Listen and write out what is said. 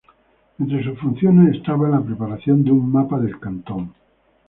Entre sus funciones estaba la preparación de un mapa del cantón.